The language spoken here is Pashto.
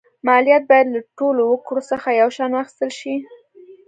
مالیات باید له ټولو وګړو څخه یو شان واخیستل شي.